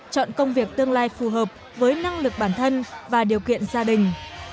chọn công việc tương lai phù hợp với năng lực bản thân và điều kiện gia đình